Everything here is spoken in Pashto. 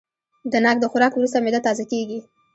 د ناک د خوراک وروسته معده تازه کېږي.